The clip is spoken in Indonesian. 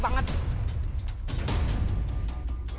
ruangkan kuat rauh rt